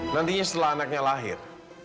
nantinya setelah anaknya lahir